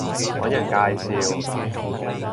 搵人介紹